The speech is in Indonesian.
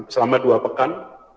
selama dua pekan